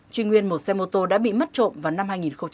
truy nguyên một xe mô tô đã bị mất trộm vào năm hai nghìn một mươi